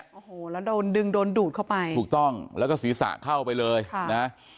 โอ้โหแล้วโดนดึงโดนดูดเข้าไปถูกต้องแล้วก็ศีรษะเข้าไปเลยค่ะนะ